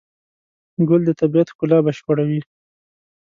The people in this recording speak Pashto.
ګل د طبیعت ښکلا بشپړوي.